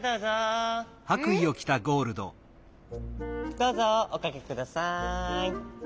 どうぞおかけください。